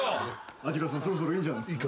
昭さんそろそろいいんじゃないですか？